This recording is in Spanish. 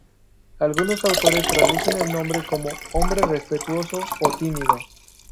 Algunos autores traducen el nombre como 'hombre respetuoso' o 'tímido'.